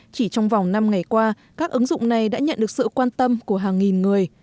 chỉ trong vòng năm ngày qua các ứng dụng này đã nhận được sự quan tâm của hàng nghìn người